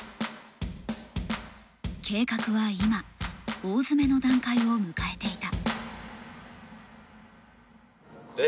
計画は今大詰めの段階を迎えていた。